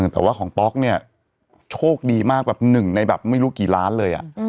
แต่ว่าของป๊อกเนี่ยโชคดีมากแบบหนึ่งในแบบไม่รู้กี่ล้านเลย